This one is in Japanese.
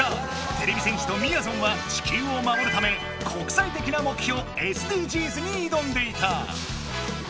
てれび戦士とみやぞんは地球をまもるため国際的な目標ＳＤＧｓにいどんでいた。